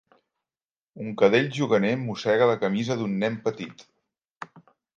Un cadell juganer mossega la camisa d'un nen petit.